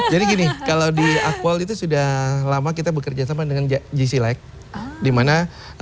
jadi gini kalau di akpol itu sudah lama kita bekerja sama dengan gc lac dimana